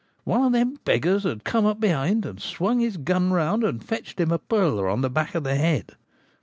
One of them beggars had come up behind, and swung his gun round, and fetched him a purler on the back of his head.